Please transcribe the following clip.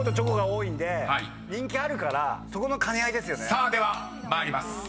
［さあでは参ります。